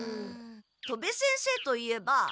戸部先生といえば。